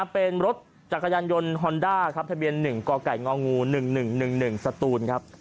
เป็นรถจักรยานยนต์ฮอนด้าครับทะเบียน๑กไก่ง๑๑๑๑สตูนครับ